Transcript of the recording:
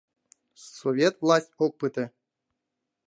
Совет власть ок пыте.